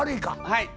はい。